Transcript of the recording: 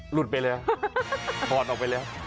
หลุดไปแล้วถอดออกไปแล้ว